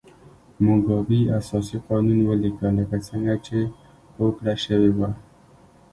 موګابي اساسي قانون ولیکه لکه څنګه چې هوکړه شوې وه.